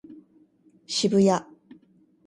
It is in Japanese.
渋谷